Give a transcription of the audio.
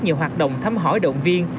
nhiều hoạt động thăm hỏi động viên